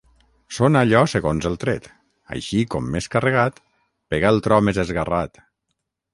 Sona allò segons el tret; així, com més carregat, pega el tro més esgarrat.